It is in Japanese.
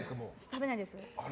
食べないです。